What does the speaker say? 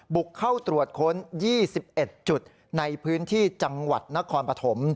บุกเข้าตรวจค้น๒๑จุดในพื้นที่จังหวัดนครปฐม